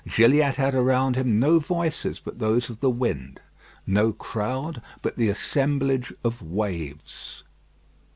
Gilliatt had around him no voices but those of the wind; no crowd but the assemblage of waves.